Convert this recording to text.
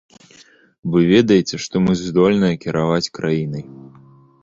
Вы ведаеце, што мы здольныя кіраваць краінай.